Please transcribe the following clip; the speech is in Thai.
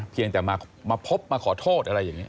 เพียงแต่มาพบมาขอโทษอะไรอย่างนี้